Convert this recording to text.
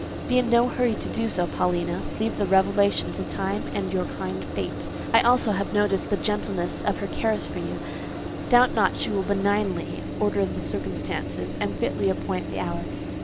"Be in no hurry to do so, Paulina. Leave the revelation to Time and your kind Fate. I also have noticed the gentleness of her cares for you: doubt not she will benignantly order the circumstances, and fitly appoint the hour.